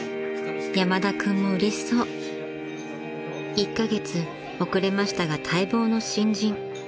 ［１カ月遅れましたが待望の新人］